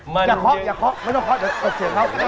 อย่าค็อกอย่าค็อกไม่ต้องค็อกเดี๋ยวเสียงเขา